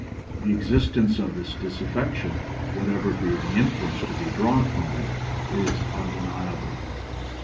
The existence of this disaffection, whatever be the inference to be drawn from it, is undeniable.